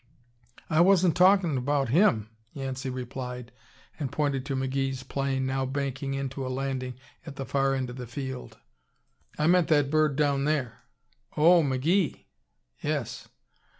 "I wasn't talkin' about him" Yancey replied and pointed to McGee's plane, now banking in to a landing at the far end of the field. "I meant that bird down there." "Oh, McGee?" "Yes."